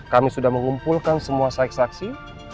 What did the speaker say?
kami sudah mengumpulkan semua saksi saksi